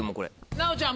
奈央ちゃん